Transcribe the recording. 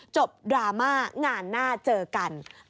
ดราม่างานหน้าเจอกัน